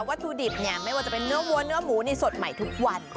ถุดิบเนี่ยไม่ว่าจะเป็นเนื้อวัวเนื้อหมูนี่สดใหม่ทุกวัน